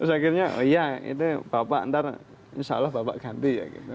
terus akhirnya oh iya itu bapak ntar insya allah bapak ganti ya gitu